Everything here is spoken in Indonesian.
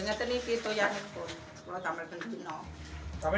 ini untuk di dingin